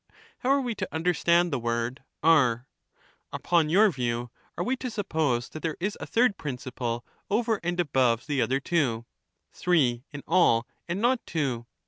How are we to understand c'pJ« over the word *'are"? Upon your view, are we to suppose that Jhe<rthJ* there is a third principle over and above the other two, — two, or one three in all, and not two